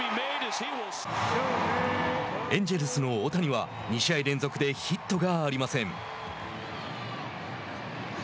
エンジェルスの大谷は２試合連続でヒットがありません。